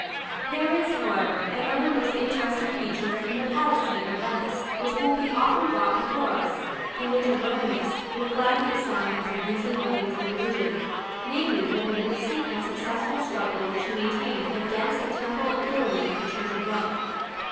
§ XI. There is, however, another most interesting feature in the policy of Venice which will be often brought before us; and which a Romanist would gladly assign as the reason of its irreligion; namely, the magnificent and successful struggle which she maintained against the temporal authority of the Church of Rome.